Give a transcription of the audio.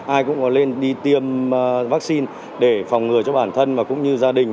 ai cũng có lên đi tiêm vaccine để phòng ngừa cho bản thân và cũng như gia đình